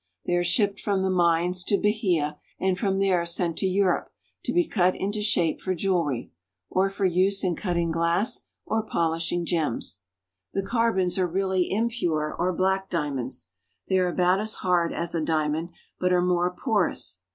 , They are shipped from the mines to Bahia, and from there sent to Europe to be cut into shape for jewelry, or for use in cutting glass or polishing gems. The carbons are really impure or black diamonds. They are about as hard as a diamond, but are more porous.